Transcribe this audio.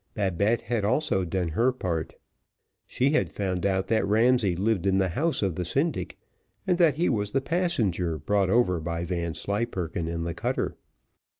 Babette had also done her part. She had found out that Ramsay lived in the house of the syndic, and that he was the passenger brought over by Vanslyperken in the cutter.